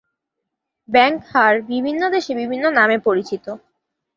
Bank হার বিভিন্ন দেশে বিভিন্ন নামে পরিচিত।